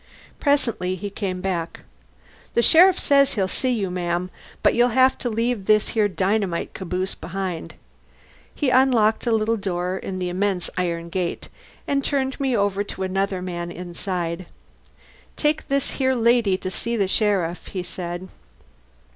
Presently he came back. "The sheriff says he'll see you, ma'am. But you'll have to leave this here dynamite caboose behind." He unlocked a little door in the immense iron gate, and turned me over to another man inside. "Take this here lady to the sheriff," he said.